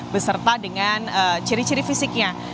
beserta dengan ciri ciri fisiknya